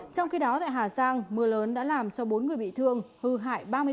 trong khi đó tại hà giang mưa lớn đã làm cho bốn người bị thương hư hại ba mươi bốn